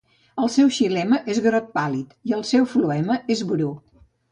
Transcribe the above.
El seu xilema és groc pàl·lid i el floema és bru.